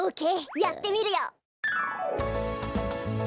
やってみるよ！